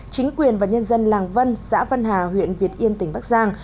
chính quyền và nhân dân làng vân xã văn hà huyện việt yên tỉnh bắc giang